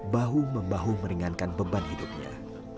bahu membahu meringankan beban hidupnya